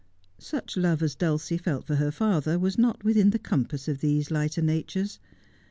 Such love as Dulcie felt for her fathei was not within the compass of these lighter natures.